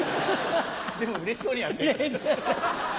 でもうれしそうにやってるから。